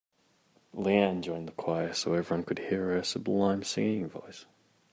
Leanne joined a choir so everyone could hear her sublime singing voice.